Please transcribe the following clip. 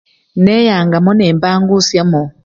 Neyangamo nempangusyamo.